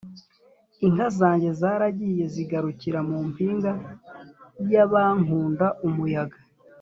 Inka zanjye zaragiye zigarukira mu mpinga y'abankunda-Umuyaga.